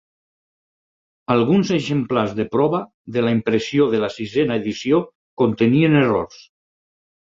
Alguns exemplars de prova de la impressió de la sisena edició contenien errors.